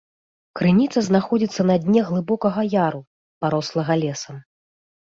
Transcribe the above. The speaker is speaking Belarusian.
Крыніца знаходзіцца на дне глыбокага яру, парослага лесам.